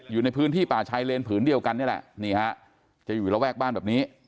อยู่ในพื้นที่ป่าชายเลนผืนเดียวกันนี่แหละนี่ฮะจะอยู่ระแวกบ้านแบบนี้